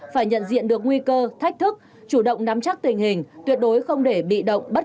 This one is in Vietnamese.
phải nhận diện được nguy cơ thách thức chủ động nắm chắc tình hình tuyệt đối không để bị động bất ngờ